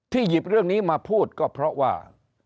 หยิบเรื่องนี้มาพูดก็เพราะว่า